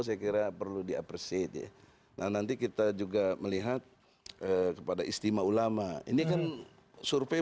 kira kira perlu diapresisi nanti kita juga melihat kepada istimewa ulama ini kan survei